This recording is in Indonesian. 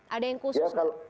ada yang khusus